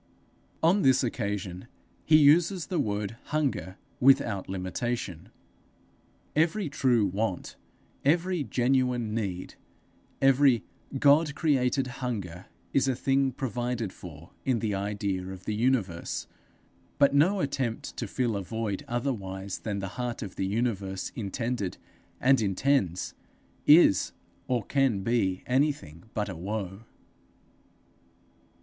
'_ On this occasion he uses the word hunger without limitation. Every true want, every genuine need, every God created hunger, is a thing provided for in the idea of the universe; but no attempt to fill a void otherwise than the Heart of the Universe intended and intends, is or can be anything but a woe.